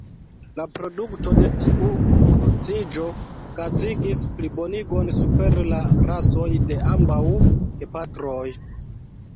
La produkto de tiu kruciĝo okazigis plibonigon super la rasoj de ambaŭ gepatroj.